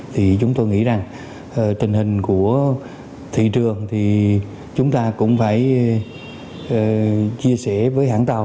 thì chúng tôi nghĩ rằng tình hình của thị trường thì chúng ta cũng phải chia sẻ với hãng tàu